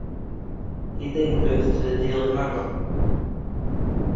He then moved to the "Daily Mirror".